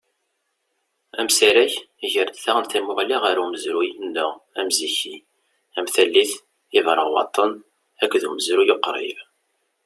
Amsarag iger-d daɣen tamuɣli ɣer umezruy-nneɣ amziki, am tallit Iberɣwaṭen, akked umezruy uqrib.